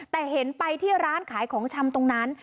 แต่เห็นไปที่ร้านขายของชำตรงนั้น